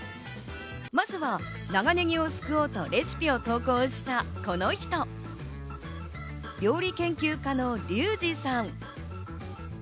まずは長ネギを救おうとレシピを投稿したこの人、料理研究家のリュウジさん。